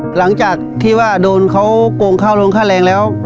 หลังจากที่ว่าโดนเขาโกงเข้าโรงค่าแรงแล้ว